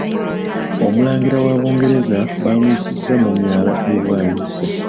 Omulangira wa Bungereza baamuyisizza mu myala e Bwaise.